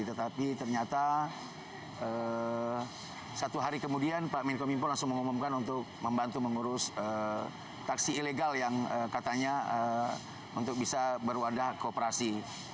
tetapi ternyata satu hari kemudian pak menko mimpo langsung mengumumkan untuk membantu mengurus taksi ilegal yang katanya untuk bisa berwadah kooperasi